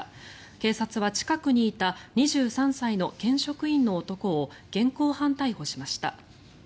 警察は近くにいた２３歳の県職員の男を現行犯逮捕しました。